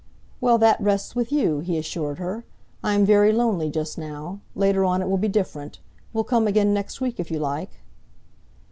"Well, that rests with you," he assured her. "I am very lonely just now. Later on it will be different. We'll come again next week, if you like."